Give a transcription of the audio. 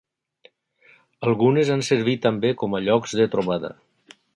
Algunes han servit també com a llocs de trobada.